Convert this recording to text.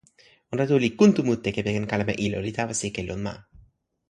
ona tu li kuntu mute kepeken kalama ilo, li tawa sike lon ma.